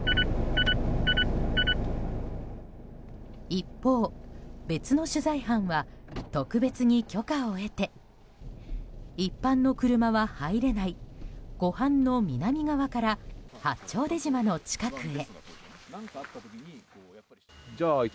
一方、別の取材班は特別に許可を得て一般の車は入れない湖畔の南側から八丁出島の近くへ。